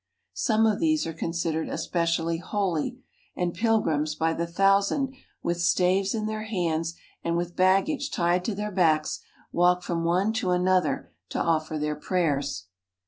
Some of these are considered especially holy, and pilgrims by the thou sand, with staves in their hands and with baggage tied to their backs, walk from one to another to offer their prayers.